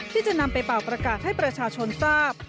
ที่จะนำไปเป่าประกาศให้ประชาชนทราบ